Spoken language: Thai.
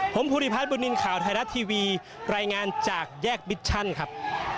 ผมภูริพัฒนบุญนินทร์ข่าวไทยรัฐทีวีรายงานจากแยกบิชชั่นครับ